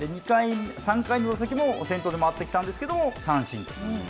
３回の打席も先頭で回ってきたんですけれども三振。